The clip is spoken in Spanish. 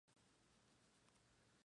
Estudió en la Universidad Cornell.